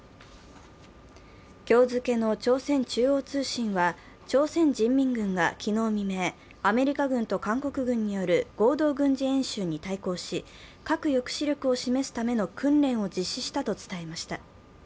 今日付の朝鮮中央通信は朝鮮人民軍が昨日未明アメリカ軍と韓国軍による合同軍事演習に対抗し、核抑止力を示すための訓練を実施したと伝えました。